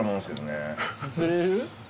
すすれる？